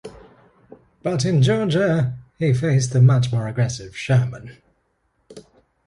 But in Georgia, he faced the much more aggressive Sherman.